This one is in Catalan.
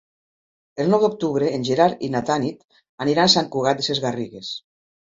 El nou d'octubre en Gerard i na Tanit aniran a Sant Cugat Sesgarrigues.